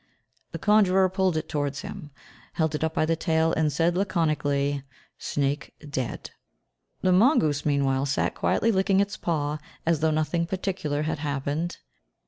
The conjurer pulled it towards him, held it up by the tail, and said laconically, "Snake dead." The mongoose meanwhile sat quietly licking its paw as though nothing particular had happened.